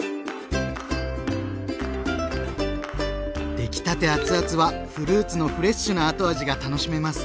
出来たて熱々はフルーツのフレッシュな後味が楽しめます。